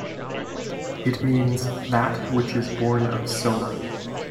It means "That which is born of Soma".